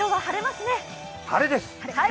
晴れです！